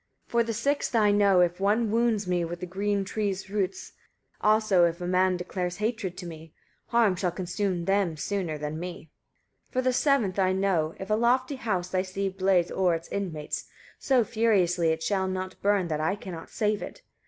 153. For the sixth I know, if one wounds me with a green tree's roots; also if a man declares hatred to me, harm shall consume them sooner than me. 154. For the seventh I know, if a lofty house I see blaze o'er its inmates, so furiously it shall not burn that I cannot save it.